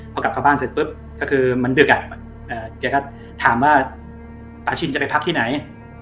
พอกลับเข้าบ้านเสร็จปุ๊บก็คือมันดึกแกก็ถามว่าปาชินจะไปพักที่ไหน